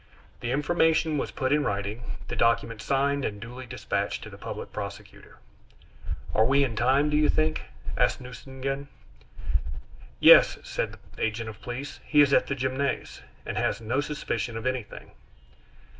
The information was put in writing; the document signed and duly dispatched to the public prosecutor. "Are we in time, do you think?" asked Nucingen. "Yes," said the agent of police; "he is at the Gymnase, and has no suspicion of anything."